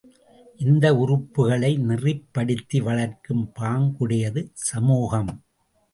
இந்த உறுப்புக்களை நெறிப்படுத்தி வளர்க்கும் பாங்குடையது சமூகம்.